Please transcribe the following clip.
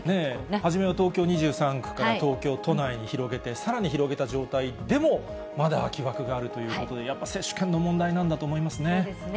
初めは東京２３区から東京都内に広げて、さらに広げた状態でも、まだ空き枠があるということで、やっぱ接種券の問題なんだと思いますね。